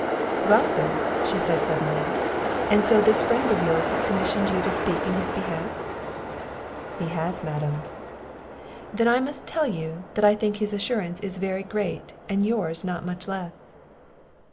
"Well, sir," said she, suddenly; "and so this friend of yours has commissioned you to speak in his behalf?" "He has, Madam." "Then I must tell you, that I think his assurance is very great, and yours not much less."